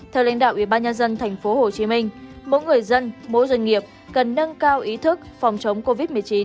theo lãnh đạo ủy ban nhân dân tp hcm mỗi người dân mỗi doanh nghiệp cần nâng cao ý thức phòng chống covid một mươi chín